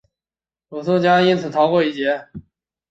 卢武铉一家因此躲过一劫。